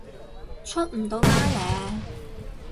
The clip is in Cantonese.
出唔到街呢